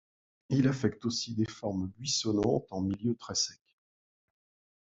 Il affecte aussi des formes buissonnantes, en milieu très sec.